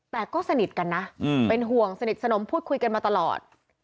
แต่ก็สนิทกันนะเป็นห่วงสนิทสนมพูดคุยกันมาตลอด